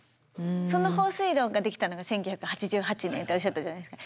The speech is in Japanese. その放水路が出来たのが１９８８年っておっしゃったじゃないですか。